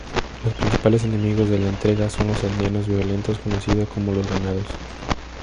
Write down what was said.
Los principales enemigos de la entrega son los aldeanos violentos conocidos como "Los Ganados".